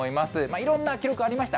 いろんな記録ありました。